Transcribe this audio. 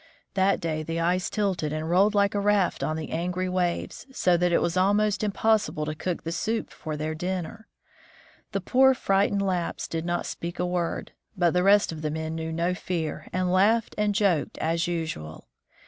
That day the ice tilted and rolled like a raft on the 1 angry waves, so that it was almost impossible to cook the soup for their dinner. The poor frightened Lapps did not speak a word, but the rest of the men knew no fear, and laughed and joked as usual.